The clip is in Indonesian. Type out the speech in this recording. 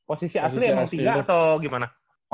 posisi asli yang mungkin ya atau gimana